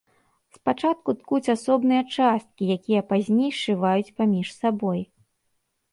Спачатку ткуць асобныя часткі, якія пазней сшываюць паміж сабой.